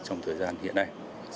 trong thời gian hiện nay